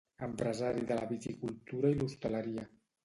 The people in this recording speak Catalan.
Empresari de la viticultura i l'hostaleria.